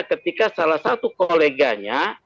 ketika salah satu koleganya